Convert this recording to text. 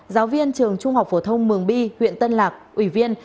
giáo viên trường trung học phổ thông mường bi huyện tân lạc ủy viên